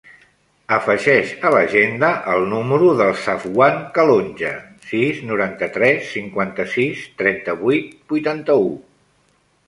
Afegeix a l'agenda el número del Safwan Calonge: sis, noranta-tres, cinquanta-sis, trenta-vuit, vuitanta-u.